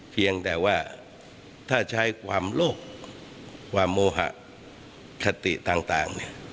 เพียงแต่ว่าถ้าใช้ความโลกความโมหะคติต่าง